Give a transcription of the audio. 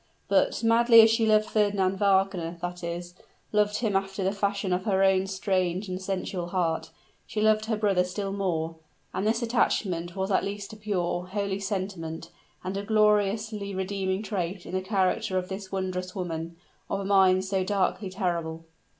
But, madly as she loved Fernand Wagner that is, loved him after the fashion of her own strange and sensual heart she loved her brother still more; and this attachment was at least a pure, a holy sentiment, and a gloriously redeeming trait in the character of this wondrous woman, of a mind so darkly terrible.